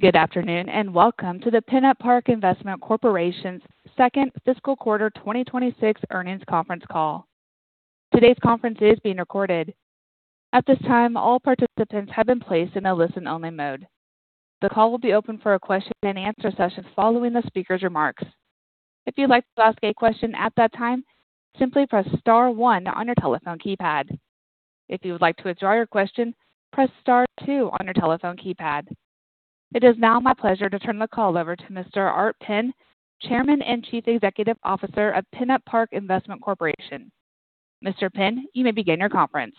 Good afternoon, welcome to the PennantPark Investment Corporation's second fiscal quarter 2026 earnings conference call. Today's conference is being recorded. At this time, all participants have been placed in a listen-only mode. The call will be open for a question-and-answer session following the speaker's remarks. If you'd like to ask a question at that time, simply press star one on your telephone keypad. If you would like to withdraw your question, press star two on your telephone keypad. It is now my pleasure to turn the call over to Mr. Art Penn, Chairman and Chief Executive Officer of PennantPark Investment Corporation. Mr. Penn, you may begin your conference.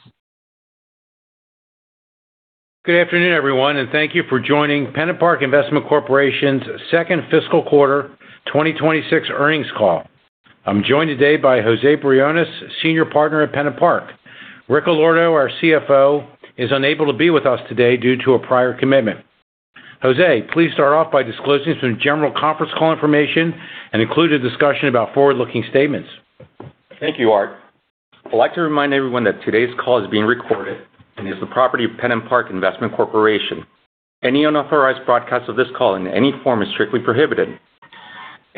Good afternoon, everyone, and thank you for joining PennantPark Investment Corporation's second fiscal quarter 2026 earnings call. I'm joined today by José Briones, Senior Partner at PennantPark. Rick Allorto, our CFO, is unable to be with us today due to a prior commitment. José, please start off by disclosing some general conference call information and include a discussion about forward-looking statements. Thank you, Art. I'd like to remind everyone that today's call is being recorded and is the property of PennantPark Investment Corporation. Any unauthorized broadcast of this call in any form is strictly prohibited.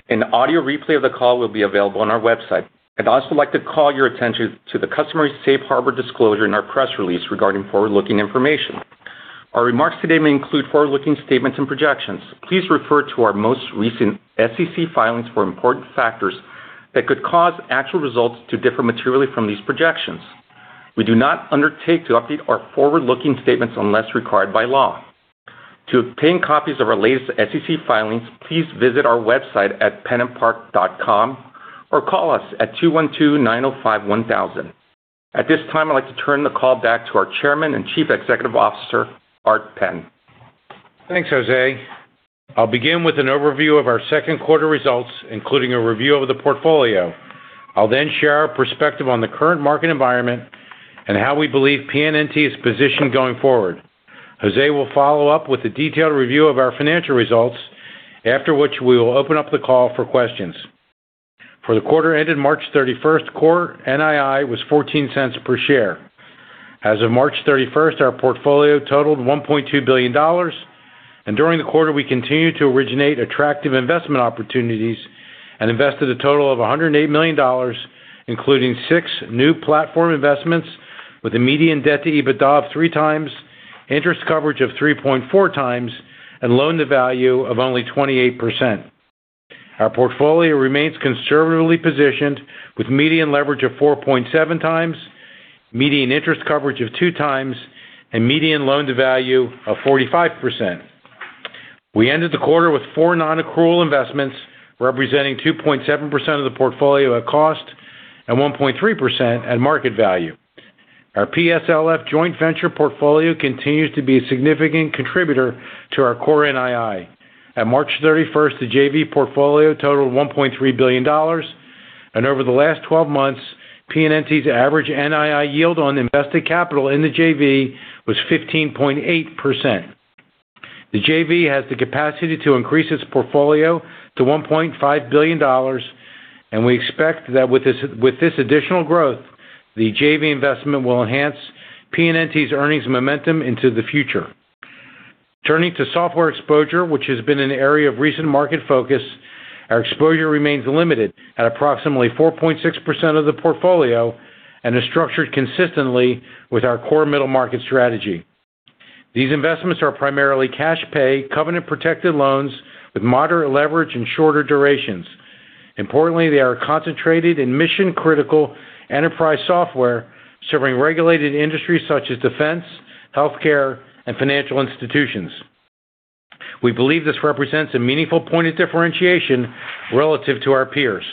An audio replay of the call will be available on our website. I'd also like to call your attention to the customary safe harbor disclosure in our press release regarding forward-looking information. Our remarks today may include forward-looking statements and projections. Please refer to our most recent SEC filings for important factors that could cause actual results to differ materially from these projections. We do not undertake to update our forward-looking statements unless required by law. To obtain copies of our latest SEC filings, please visit our website at pennantpark.com or call us at 212-905-1000. At this time, I'd like to turn the call back to our Chairman and Chief Executive Officer, Art Penn. Thanks, José. I'll begin with an overview of our second quarter results, including a review of the portfolio. I'll then share our perspective on the current market environment and how we believe PNNT is positioned going forward. José will follow up with a detailed review of our financial results, after which we will open up the call for questions. For the quarter ended March 31st, core NII was $0.14 per share. As of March 31st, our portfolio totaled $1.2 billion. During the quarter, we continued to originate attractive investment opportunities and invested a total of $108 million, including six new platform investments with a median debt-to-EBITDA of 3x, interest coverage of 3.4x, and loan-to-value of only 28%. Our portfolio remains conservatively positioned with median leverage of 4.7x, median interest coverage of 2x, and median loan-to-value of 45%. We ended the quarter with four non-accrual investments, representing 2.7% of the portfolio at cost and 1.3% at market value. Our PSLF joint venture portfolio continues to be a significant contributor to our core NII. At March 31st, the JV portfolio totaled $1.3 billion, and over the last 12 months, PNNT's average NII yield on invested capital in the JV was 15.8%. The JV has the capacity to increase its portfolio to $1.5 billion, and we expect that with this additional growth, the JV investment will enhance PNNT's earnings momentum into the future. Turning to software exposure, which has been an area of recent market focus, our exposure remains limited at approximately 4.6% of the portfolio and is structured consistently with our core middle market strategy. These investments are primarily cash-pay, covenant-protected loans with moderate leverage and shorter durations. Importantly, they are concentrated in mission-critical enterprise software serving regulated industries such as defense, healthcare, and financial institutions. We believe this represents a meaningful point of differentiation relative to our peers.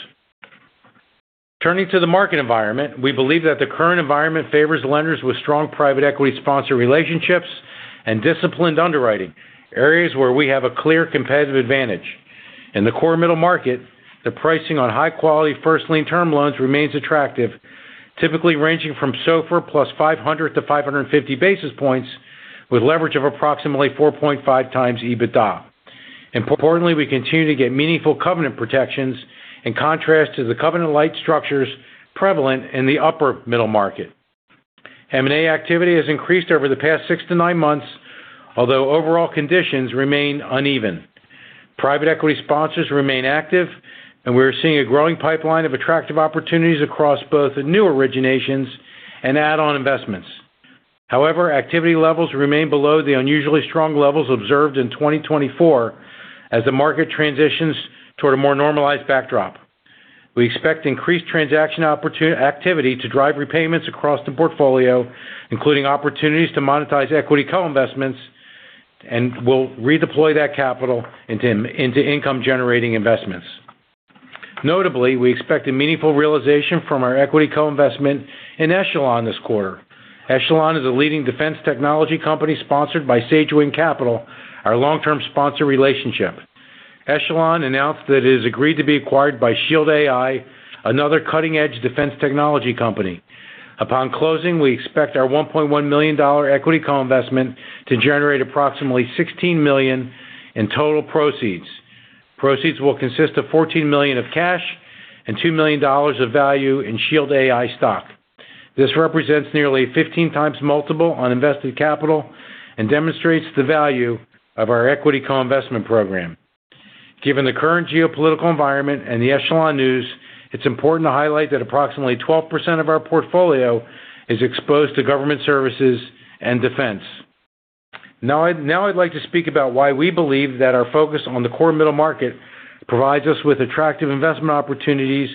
Turning to the market environment, we believe that the current environment favors lenders with strong private equity sponsor relationships and disciplined underwriting, areas where we have a clear competitive advantage. In the core middle market, the pricing on high-quality first lien term loans remains attractive, typically ranging from SOFR plus 500 to 550 basis points with leverage of approximately 4.5x EBITDA. Importantly, we continue to get meaningful covenant protections in contrast to the covenant-lite structures prevalent in the upper middle market. M&A activity has increased over the past six to nine months, although overall conditions remain uneven. Private equity sponsors remain active, and we're seeing a growing pipeline of attractive opportunities across both new originations and add-on investments. However, activity levels remain below the unusually strong levels observed in 2024 as the market transitions toward a more normalized backdrop. We expect increased transaction activity to drive repayments across the portfolio, including opportunities to monetize equity co-investments, and we'll redeploy that capital into income-generating investments. Notably, we expect a meaningful realization from our equity co-investment in Aechelon Technology this quarter. Aechelon Technology is a leading defense technology company sponsored by Sagewind Capital, our long-term sponsor relationship. Aechelon announced that it has agreed to be acquired by Shield AI, another cutting-edge defense technology company. Upon closing, we expect our $1.1 million equity co-investment to generate approximately $16 million in total proceeds. Proceeds will consist of $14 million of cash and $2 million of value in Shield AI stock. This represents nearly 15x multiple on invested capital and demonstrates the value of our equity co-investment program. Given the current geopolitical environment and the Aechelon news, it's important to highlight that approximately 12% of our portfolio is exposed to government services and defense. Now I'd like to speak about why we believe that our focus on the core middle market provides us with attractive investment opportunities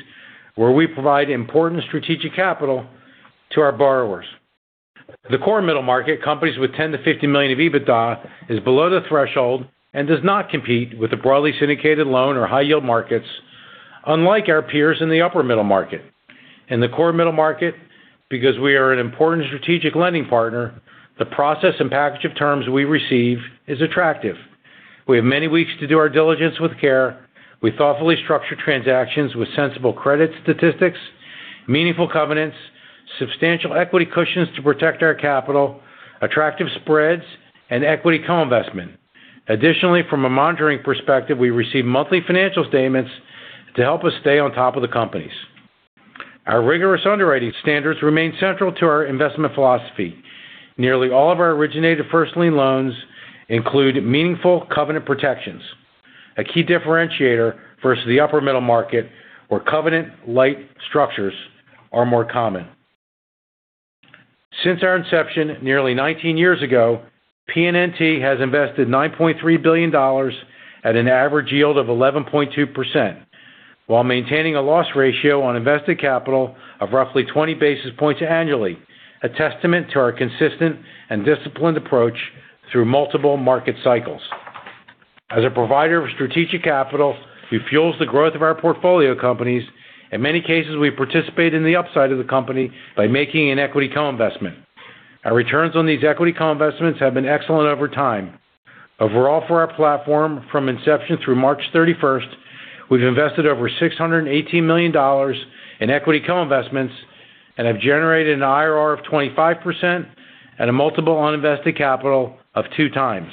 where we provide important strategic capital to our borrowers. The core middle market, companies with $10 million-$50 million of EBITDA, is below the threshold and does not compete with the broadly syndicated loan or high yield markets, unlike our peers in the upper middle market. In the core middle market, because we are an important strategic lending partner, the process and package of terms we receive is attractive. We have many weeks to do our diligence with care. We thoughtfully structure transactions with sensible credit statistics, meaningful covenants, substantial equity cushions to protect our capital, attractive spreads, and equity co-investment. From a monitoring perspective, we receive monthly financial statements to help us stay on top of the companies. Our rigorous underwriting standards remain central to our investment philosophy. Nearly all of our originated first lien loans include meaningful covenant protections, a key differentiator versus the upper middle market where covenant-light structures are more common. Since our inception nearly 19 years ago, PNNT has invested $9.3 billion at an average yield of 11.2% while maintaining a loss ratio on invested capital of roughly 20 basis points annually, a testament to our consistent and disciplined approach through multiple market cycles. As a provider of strategic capital who fuels the growth of our portfolio companies, in many cases, we participate in the upside of the company by making an equity co-investment. Our returns on these equity co-investments have been excellent over time. Overall, for our platform, from inception through March 31st, we've invested over $618 million in equity co-investments and have generated an IRR of 25% at a multiple on invested capital of 2x.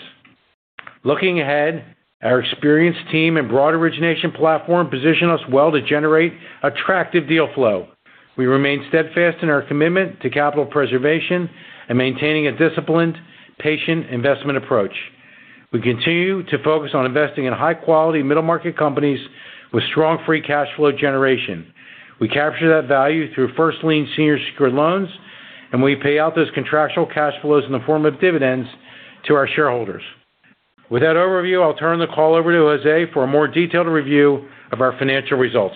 Looking ahead, our experienced team and broad origination platform position us well to generate attractive deal flow. We remain steadfast in our commitment to capital preservation and maintaining a disciplined, patient investment approach. We continue to focus on investing in high-quality middle market companies with strong free cash flow generation. We capture that value through first lien senior secured loans, and we pay out those contractual cash flows in the form of dividends to our shareholders. With that overview, I'll turn the call over to José for a more detailed review of our financial results.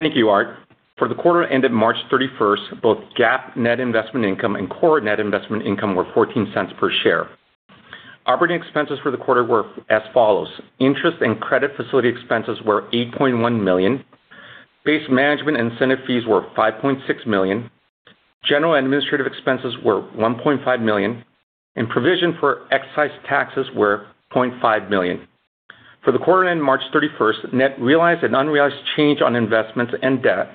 Thank you, Art. For the quarter ended March 31st, both GAAP net investment income and core net investment income were $0.14 per share. Operating expenses for the quarter were as follows: interest and credit facility expenses were $8.1 million, base management incentive fees were $5.6 million, general and administrative expenses were $1.5 million, and provision for excise taxes were $0.5 million. For the quarter end March 31st, net realized and unrealized change on investments and debt,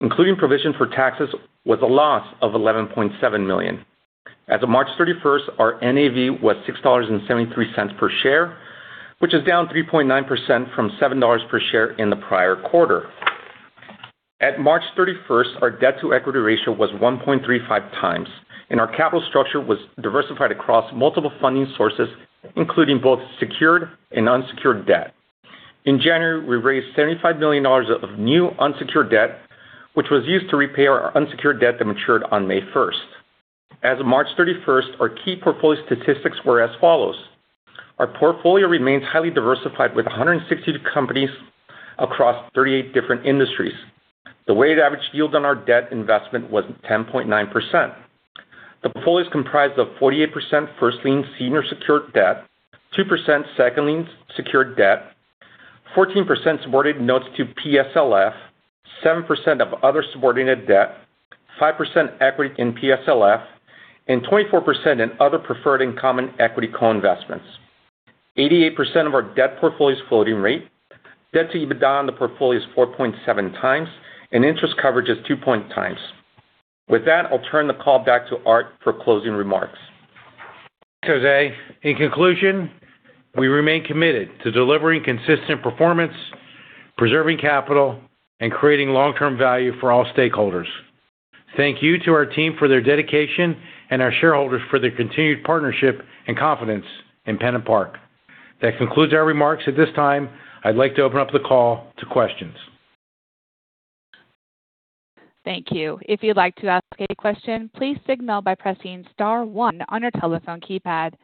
including provision for taxes, was a loss of $11.7 million. As of March 31st, our NAV was $6.73 per share, which is down 3.9% from $7.00 per share in the prior quarter. At March 31st, our debt-to-equity ratio was 1.35x, and our capital structure was diversified across multiple funding sources, including both secured and unsecured debt. In January, we raised $75 million of new unsecured debt, which was used to repay our unsecured debt that matured on May 1st. As of March 31st, our key portfolio statistics were as follows: Our portfolio remains highly diversified with 160 companies across 38 different industries. The weighted average yield on our debt investment was 10.9%. The portfolio is comprised of 48% first-lien senior secured debt, 2% second lien secured debt, 14% subordinate notes to PSLF, 7% of other subordinated debt, 5% equity in PSLF, and 24% in other preferred and common equity co-investments. 88% of our debt portfolio is floating rate. Debt-to-EBITDA on the portfolio is 4.7x, and interest coverage is 2.0x. With that, I'll turn the call back to Art for closing remarks. José, in conclusion, we remain committed to delivering consistent performance, preserving capital, and creating long-term value for all stakeholders. Thank you to our team for their dedication and our shareholders for their continued partnership and confidence in PennantPark. That concludes our remarks. At this time, I'd like to open up the call to questions. Thank you. If you'd like to ask a question, please signal by pressing star one on your telephone keypad.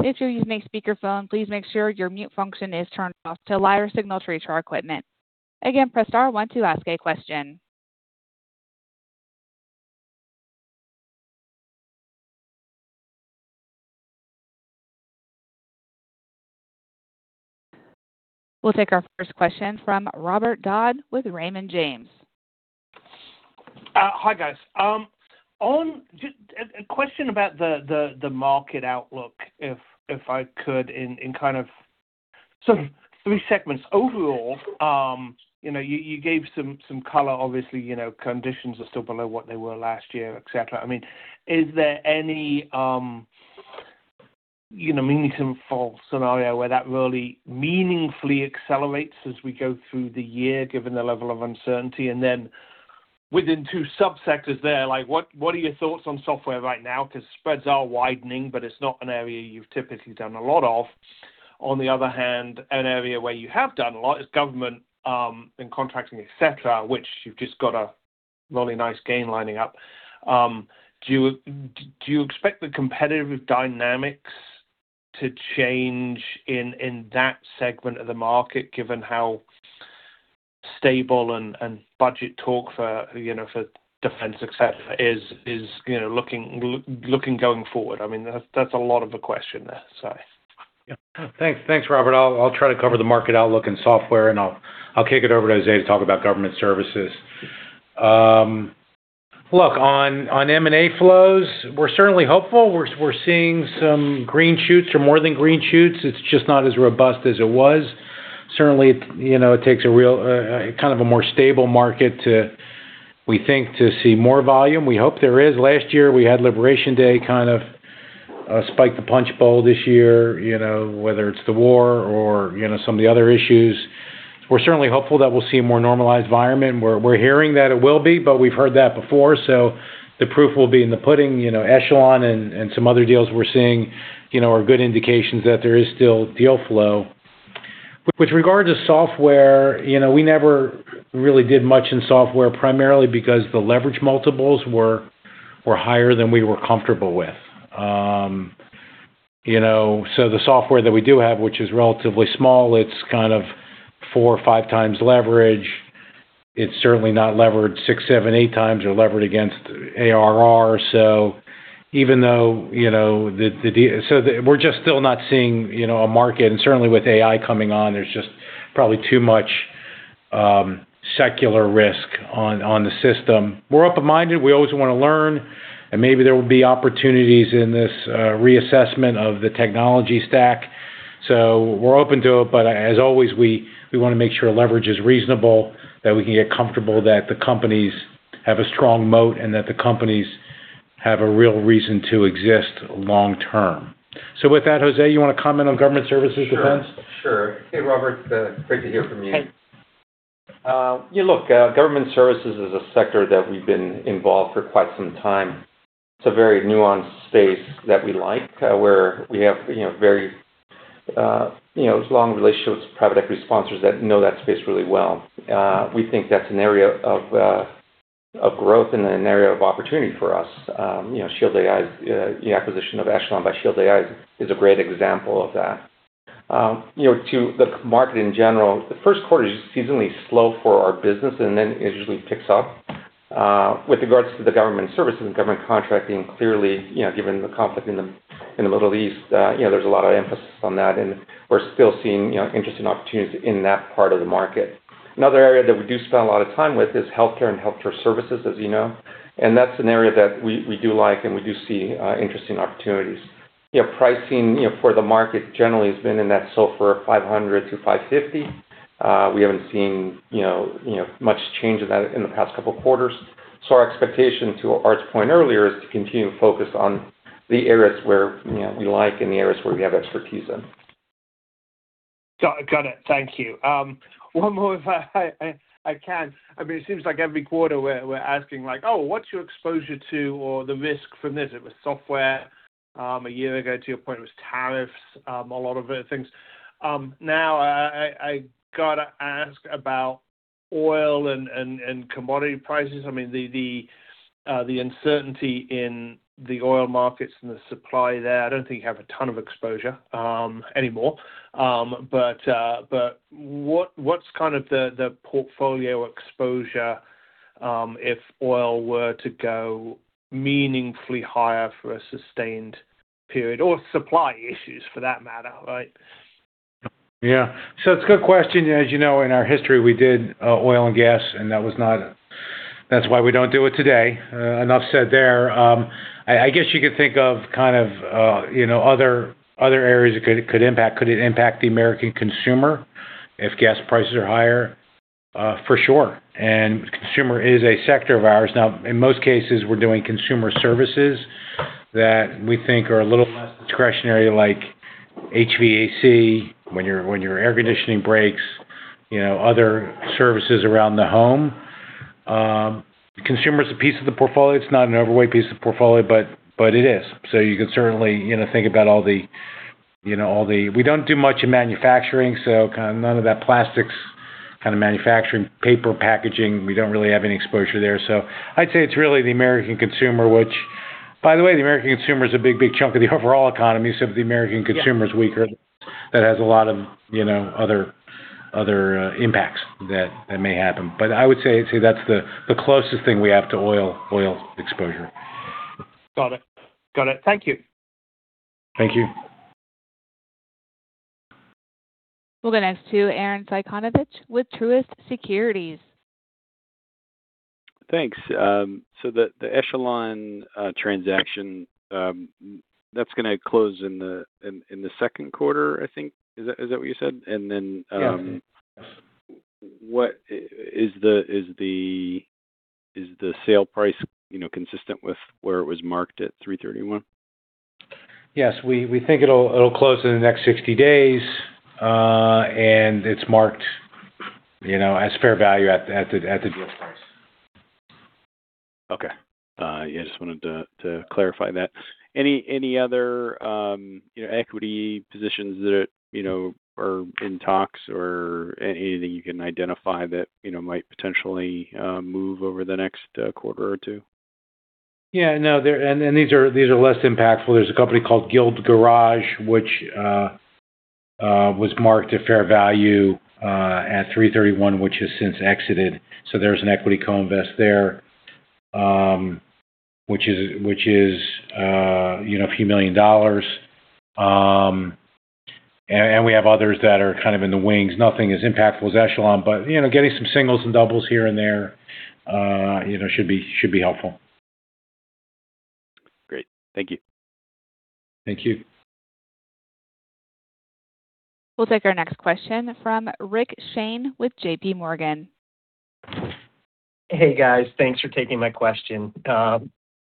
If you're using a speakerphone, please make sure your mute function is turned off to allow your signal to reach our equipment. Again, press star one to ask a question. We'll take our first question from Robert Dodd with Raymond James. Hi, guys. A question about the market outlook, if I could in kind of so three segments overall. You know, you gave some color obviously, you know, conditions are still below what they were last year, et cetera. I mean, is there any, you know, meaningful scenario where that really meaningfully accelerates as we go through the year, given the level of uncertainty. Then within two subsectors there, like, what are your thoughts on software right now? 'Cause spreads are widening, but it's not an area you've typically done a lot of. On the other hand, an area where you have done a lot is government, and contracting, et cetera, which you've just got a really nice gain lining up. Do you expect the competitive dynamics to change in that segment of the market given how stable and budget talk for, you know, for defense, et cetera, is, you know, looking going forward? I mean, that's a lot of a question there, so. Thanks, Robert. I'll try to cover the market outlook and software, and I'll kick it over to José to talk about government services. Look, on M&A flows, we're certainly hopeful. We're seeing some green shoots or more than green shoots. It's just not as robust as it was. Certainly, you know, it takes a real kind of a more stable market to, we think, to see more volume. We hope there is. Last year, we had Liberation Day kind of spike the punch bowl. This year, you know, whether it's the war or, you know, some of the other issues, we're certainly hopeful that we'll see a more normalized environment. We're hearing that it will be, but we've heard that before, so the proof will be in the pudding. You know, Aechelon and some other deals we're seeing, you know, are good indications that there is still deal flow. With regard to software, you know, we never really did much in software primarily because the leverage multiples were higher than we were comfortable with. You know, the software that we do have, which is relatively small, it's kind of 4x or 5x leverage. It's certainly not levered 6x, 7,x 8x or levered against ARR. Even though, you know, we're just still not seeing, you know, a market, and certainly with AI coming on, there's just probably too much secular risk on the system. We're open-minded. We always wanna learn, and maybe there will be opportunities in this reassessment of the technology stack. We're open to it, but as always, we wanna make sure leverage is reasonable, that we can get comfortable that the companies have a strong moat and that the companies have a real reason to exist long term. With that, José, you wanna comment on government services and defense? Sure, sure. Hey, Robert. Great to hear from you. Hey. Yeah, look, government services is a sector that we've been involved for quite some time. It's a very nuanced space that we like, where we have, you know, very, you know, strong relationships with private equity sponsors that know that space really well. We think that's an area of growth and an area of opportunity for us. You know, Shield AI's the acquisition of Aechelon Technology by Shield AI is a great example of that. You know, to the market in general, the first quarter is seasonally slow for our business, and then it usually picks up. With regards to the government services and government contracting, clearly, you know, given the conflict in the Middle East, you know, there's a lot of emphasis on that, and we're still seeing, you know, interesting opportunities in that part of the market. Another area that we do spend a lot of time with is healthcare and healthcare services, as you know. That's an area that we do like, and we do see interesting opportunities. You know, pricing, you know, for the market generally has been in that sort of 500 to 550. We haven't seen, you know, much change of that in the past couple of quarters. Our expectation, to Art's point earlier, is to continue to focus on the areas where, you know, we like and the areas where we have expertise in. Got it. Thank you. One more if I can. I mean, it seems like every quarter we're asking like, "Oh, what's your exposure to or the risk from this?" It was software, a year ago. To your point, it was tariffs, a lot of things. Now I gotta ask about oil and commodity prices. I mean, the uncertainty in the oil markets and the supply there, I don't think you have a ton of exposure anymore. What's kind of the portfolio exposure, if oil were to go meaningfully higher for a sustained period, or supply issues for that matter, right? Yeah. It's a good question. As you know, in our history, we did oil and gas, and that's why we don't do it today. Enough said there. I guess you could think of kind of, you know, other areas it could impact. Could it impact the American consumer if gas prices are higher? For sure. Consumer is a sector of ours. Now, in most cases, we're doing consumer services that we think are a little less discretionary, like HVAC, when your air conditioning breaks, you know, other services around the home. Consumer is a piece of the portfolio. It's not an overweight piece of the portfolio, but it is. You can certainly, you know, think about all the, you know, We don't do much in manufacturing, so kind of none of that plastics kind of manufacturing, paper packaging. We don't really have any exposure there. I'd say it's really the American consumer, which, by the way, the American consumer is a big, big chunk of the overall economy, so if the American consumer is weaker, that has a lot of, you know, other impacts that may happen. I would say that's the closest thing we have to oil exposure. Got it. Got it. Thank you. Thank you. We'll go next to Arren Cyganovich with Truist Securities. Thanks. The Aechelon transaction that's gonna close in the second quarter, I think. Is that what you said? Yeah Is the sale price, you know, consistent with where it was marked at 3/31? Yes. We think it'll close in the next 60 days, and it's marked, you know, as fair value at the deal price. Okay. Yeah, just wanted to clarify that. Any other, you know, equity positions that, you know, are in talks or anything you can identify that, you know, might potentially move over the next quarter or two? Yeah, no. These are less impactful. There's a company called Guild Garage, which was marked at fair value at 3/31, which has since exited. There's an equity co-invest there, which is, you know, a few million dollars. We have others that are kind of in the wings. Nothing as impactful as Aechelon, you know, getting some singles and doubles here and there, you know, should be helpful. Great. Thank you. Thank you. We'll take our next question from Rick Shane with JPMorgan. Hey, guys. Thanks for taking my question.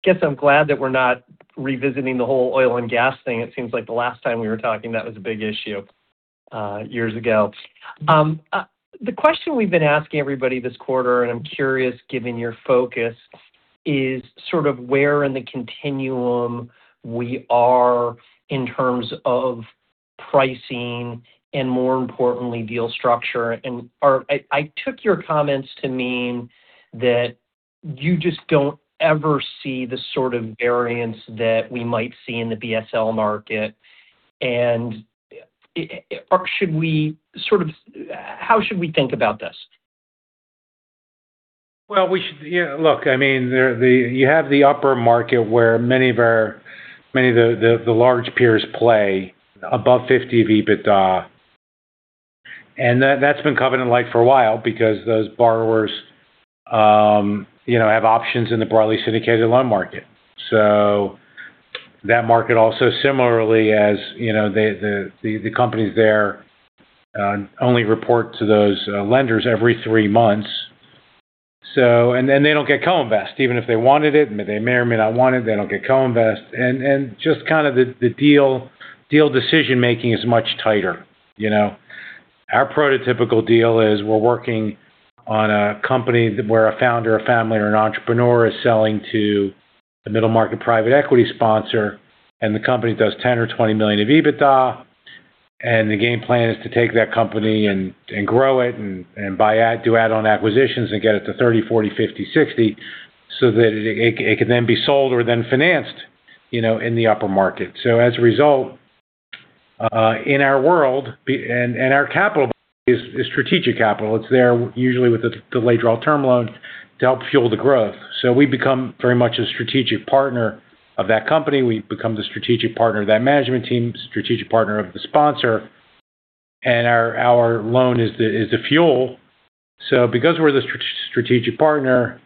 Guess I'm glad that we're not revisiting the whole oil and gas thing. It seems like the last time we were talking, that was a big issue years ago. The question we've been asking everybody this quarter, and I'm curious, given your focus, is sort of where in the continuum we are in terms of pricing and more importantly, deal structure. I took your comments to mean that you just don't ever see the sort of variance that we might see in the BSL market. How should we think about this? Well, we should, you have the upper market where many of the large peers play above 50% of EBITDA. That's been covenant-lite for a while because those borrowers, you know, have options in the broadly syndicated loan market. That market also similarly as, you know, the companies there, only report to those lenders every three months. They don't get co-invest, even if they wanted it. They may or may not want it, they don't get co-invest. Just kind of the deal decision-making is much tighter, you know. Our prototypical deal is we're working on a company where a founder, a family, or an entrepreneur is selling to the middle market private equity sponsor, and the company does $10 million or $20 million of EBITDA. The game plan is to take that company and grow it and do add-on acquisitions and get it to 30%, 40%, 50%, 60%, so that it can then be sold or financed, you know, in the upper market. As a result, in our world, our capital is strategic capital. It's there usually with the late draw term loan to help fuel the growth. We become very much a strategic partner of that company. We become the strategic partner of that management team, strategic partner of the sponsor, and our loan is the fuel. Because we're the strategic partner,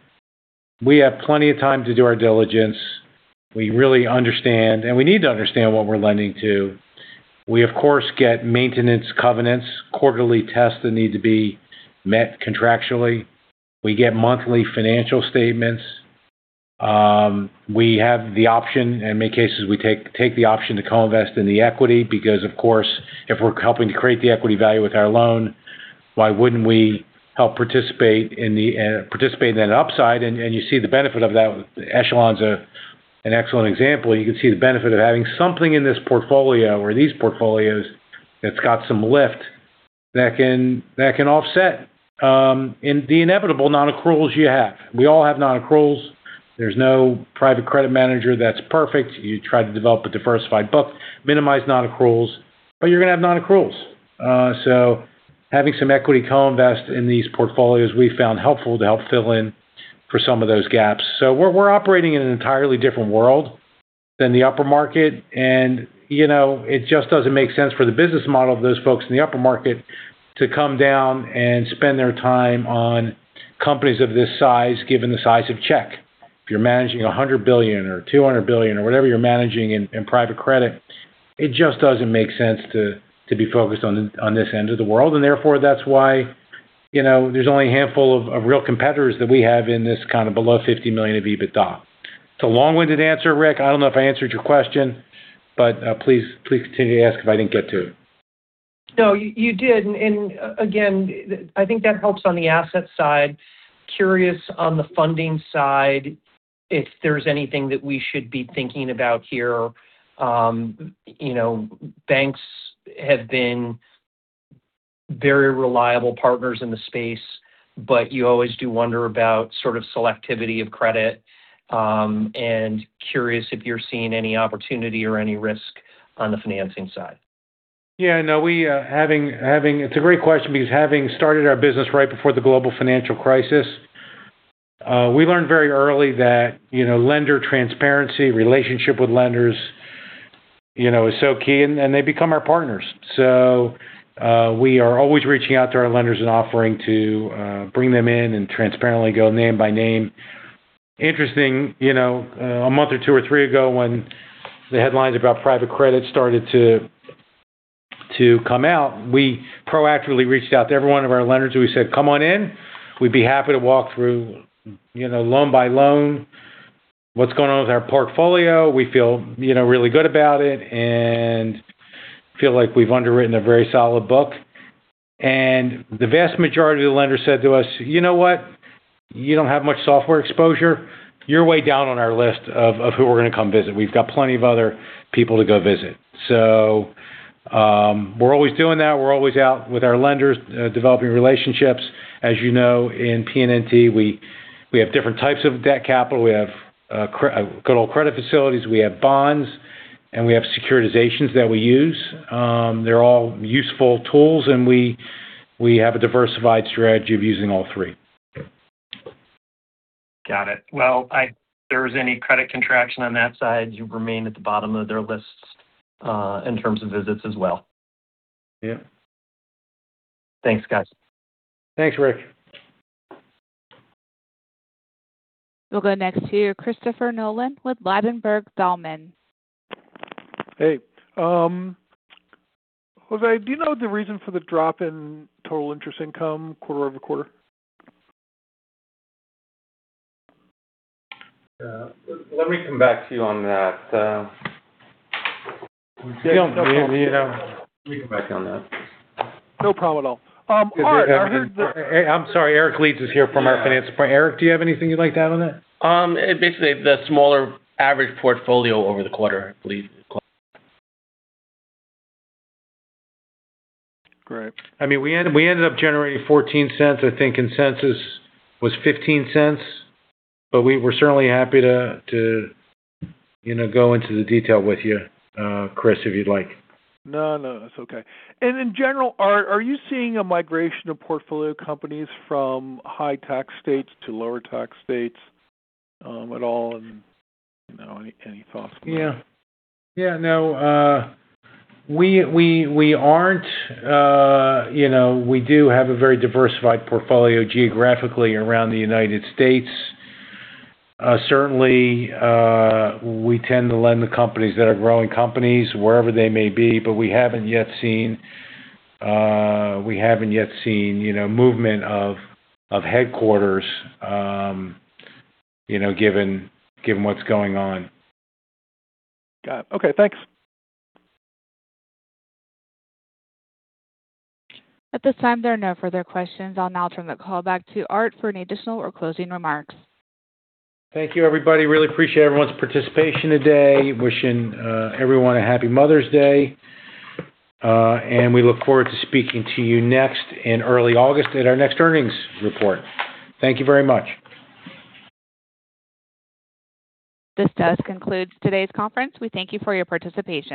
we have plenty of time to do our diligence. We really understand, and we need to understand what we're lending to. We, of course, get maintenance covenants, quarterly tests that need to be met contractually. We get monthly financial statements. We have the option, in many cases, we take the option to co-invest in the equity because, of course, if we're helping to create the equity value with our loan, why wouldn't we help participate in the participate in that upside? You see the benefit of that. Aechelon's an excellent example. You can see the benefit of having something in this portfolio or these portfolios that's got some lift that can offset, in the inevitable non-accruals you have. We all have non-accruals. There's no private credit manager that's perfect. You try to develop a diversified book, minimize non-accruals, but you're gonna have non-accruals. Having some equity co-invest in these portfolios we found helpful to help fill in for some of those gaps. We're operating in an entirely different world than the upper market. You know, it just doesn't make sense for the business model of those folks in the upper market to come down and spend their time on companies of this size, given the size of check. If you're managing $100 billion or $200 billion or whatever you're managing in private credit, it just doesn't make sense to be focused on this end of the world. That's why, you know, there's only a handful of real competitors that we have in this kind of below $50 million of EBITDA. It's a long-winded answer, Rick. I don't know if I answered your question, but please continue to ask if I didn't get to it. No, you did. Again, I think that helps on the asset side. Curious on the funding side, if there's anything that we should be thinking about here. you know, banks have been very reliable partners in the space, but you always do wonder about sort of selectivity of credit. Curious if you're seeing any opportunity or any risk on the financing side. Yeah, no. We, it's a great question because having started our business right before the global financial crisis, we learned very early that, you know, lender transparency, relationship with lenders, you know, is so key, and they become our partners. We are always reaching out to our lenders and offering to bring them in and transparently go name by name. Interesting. You know, a month or two or three ago when the headlines about private credit started to come out, we proactively reached out to every one of our lenders. We said, "Come on in. We'd be happy to walk through, you know, loan by loan what's going on with our portfolio. We feel, you know, really good about it and feel like we've underwritten a very solid book." The vast majority of the lenders said to us, "You know what? You don't have much software exposure. You're way down on our list of who we're gonna come visit. We've got plenty of other people to go visit." We're always doing that. We're always out with our lenders, developing relationships. As you know, in PNNT, we have different types of debt capital. We have good old credit facilities. We have bonds, and we have securitizations that we use. They're all useful tools, and we have a diversified strategy of using all three. Got it. If there was any credit contraction on that side, you remain at the bottom of their lists in terms of visits as well. Yeah. Thanks, guys. Thanks, Rick. We'll go next to Christopher Nolan with Ladenburg Thalmann. Hey. José, do you know the reason for the drop in total interest income quarter-over-quarter? Let me come back to you on that. If you don't, we. Let me get back on that. No problem at all. Art, Hey, I'm sorry. Eric Leeds is here from our finance department. Eric, do you have anything you'd like to add on that? Basically, the smaller average portfolio over the quarter, I believe. Great. I mean, we ended up generating $0.14. I think consensus was $0.15, we were certainly happy to, you know, go into the detail with you, Chris, if you'd like. No, no. That's okay. In general, are you seeing a migration of portfolio companies from high tax states to lower tax states, at all? You know, any thoughts? Yeah. Yeah, no. We aren't. You know, we do have a very diversified portfolio geographically around the United States. Certainly, we tend to lend to companies that are growing companies wherever they may be, but we haven't yet seen, you know, movement of headquarters, you know, given what's going on. Got it. Okay, thanks. At this time, there are no further questions. I'll now turn the call back to Art for any additional or closing remarks. Thank you, everybody. Really appreciate everyone's participation today. Wishing everyone a Happy Mother's Day. We look forward to speaking to you next in early August at our next earnings report. Thank you very much. This does conclude today's conference. We thank you for your participation.